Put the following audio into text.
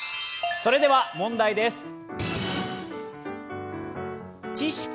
それでは問題です。